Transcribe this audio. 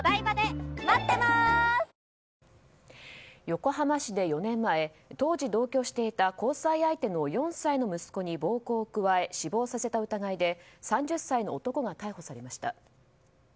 横浜市で４年前当時、同居していた交際相手の４歳の息子に暴行を加え死亡させた疑いで３０歳の男が逮捕されました。